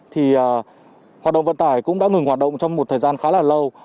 thì hoạt động vận tải cũng đã ngừng hoạt động trong một thời gian khá là lâu